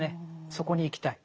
そこに行きたい。